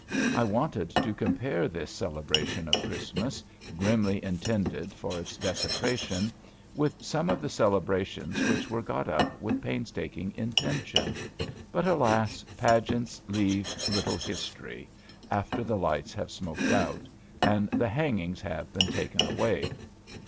I wanted to compare this celebration of Christmas, grimly intended for its desecration, with some of the celebrations which were got up with painstaking intention. But, alas, pageants leave little history, after the lights have smoked out, and the hangings have been taken away.